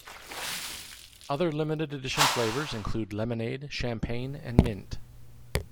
Other limited edition flavours included Lemonade, Champagne and Mint.